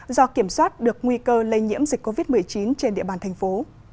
do kiểm soát được nguy cơ lây nhiễm dịch covid một mươi chín trên địa bàn thành phố